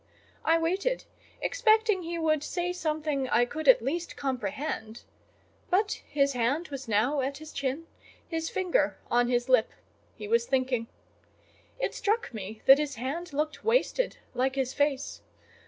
I waited, expecting he would say something I could at least comprehend; but his hand was now at his chin, his finger on his lip: he was thinking. It struck me that his hand looked wasted like his face.